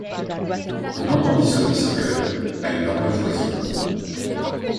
On entendit sonner cinq heures, à une horloge voisine.